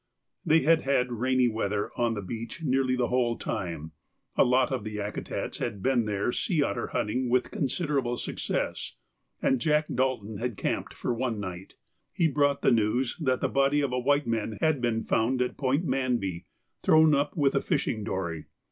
They had had rainy weather on the beach nearly the whole time. A lot of the Yakutats had been there sea otter hunting with considerable success, and Jack Dalton had camped for one night. He brought the news that the body of a white man had been found at Point Manby, thrown up with a fishing dory.